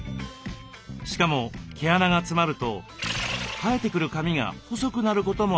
しかも毛穴が詰まると生えてくる髪が細くなることもあるんです。